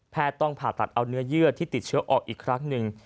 ต้องผ่าตัดเอาเนื้อเยื่อที่ติดเชื้อออกอีกครั้งหนึ่ง